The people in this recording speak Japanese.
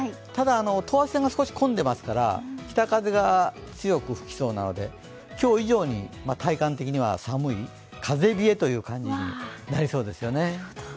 ただ等圧線が少し混んでますから北風が強く吹きそうなので、今日以上に体感的には寒い風冷えという感じになりそうですよね。